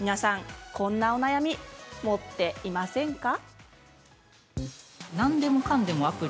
こんなお悩み、持っていませんか。